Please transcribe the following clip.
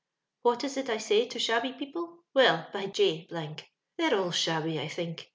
" What is it I say to shabby people f Well, by J , they're all shabby, I think.